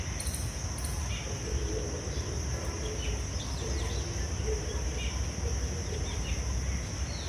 Fotoj de la du skulptaĵoj furoris en la medioj de la mondo.